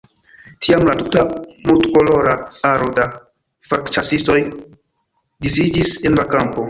Tiam la tuta multkolora aro da falkĉasistoj disiĝis en la kampo.